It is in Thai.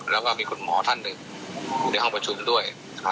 แล้วก็มีคุณหมอท่านหนึ่งอยู่ในห้องประชุมด้วย